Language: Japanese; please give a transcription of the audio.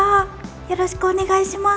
よろしくお願いします。